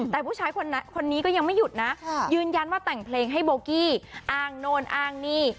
แต่ผู้ชายคนนี้ก็ยังไม่หยุดนะยืนยันว่าแต่งเพลงให้โบกี้อ้างโน่นอ้างนี่